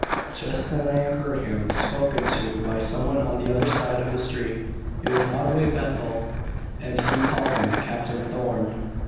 Just then I heard him spoken to by some one on the other side of the street; it was Otway Bethel, and he called him Captain Thorn."